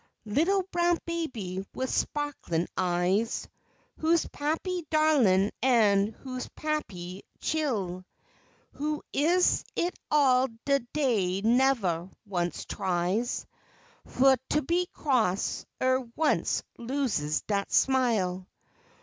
Little brown baby wif spa'klin' eyes Who's pappy's darlin' an' who's pappy's chile? Who is it all de day nevah once tries Fu' to be cross, er once loses dat smile?